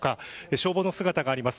消防の姿があります。